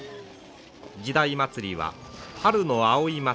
時代祭は春の葵祭